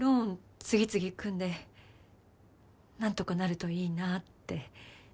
次々組んで何とかなるといいなって。